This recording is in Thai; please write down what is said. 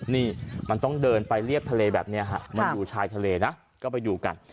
นี่มันต้องเดินไปเรียบทะเลแบบนี้ฮะมันอยู่ชายทะเลนะก็ไปดูกัน